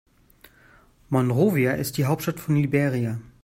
Monrovia ist die Hauptstadt von Liberia.